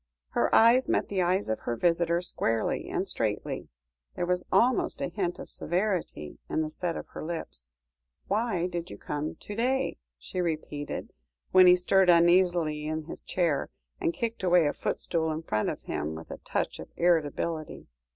Her eyes met the eyes of her visitor squarely and straightly, there was almost a hint of severity in the set of her lips. "Why did you come to day?" she repeated, when he stirred uneasily in his chair, and kicked away a footstool in front of him, with a touch of irritability.